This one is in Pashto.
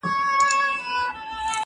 زه اوس زدکړه کوم!!